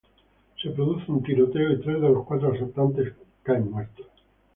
Se produce un tiroteo y tres de los cuatro asaltantes caen muertos.